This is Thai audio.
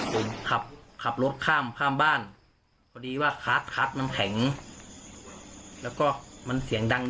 ผมขับรถข้ามบ้านพอดีว่าคาดมันแผง